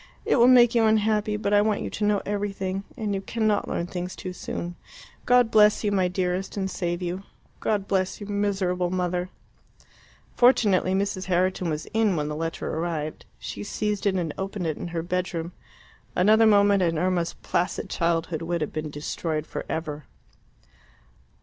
It will make you unhappy, but I want you to know everything, and you cannot learn things too soon. God bless you, my dearest, and save you. God bless your miserable mother." Fortunately Mrs. Herriton was in when the letter arrived. She seized it and opened it in her bedroom. Another moment, and Irma's placid childhood would have been destroyed for ever.